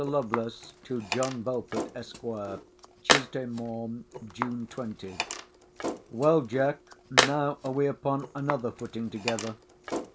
LOVELACE, TO JOHN BELFORD, ESQ. TUESDAY MORN. JUNE 20. Well, Jack, now are we upon another footing together.